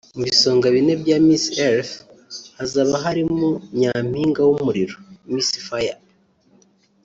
Mu bisonga bine bya Miss Earth hazaba harimo Nyampinga w’Umuriro( Miss Fire)